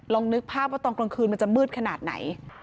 นึกภาพว่าตอนกลางคืนมันจะมืดขนาดไหน